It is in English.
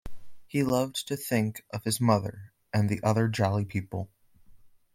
He loved to think of his mother, and the other jolly people.